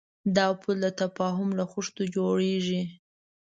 دا پُل د تفاهم له خښتو جوړېږي.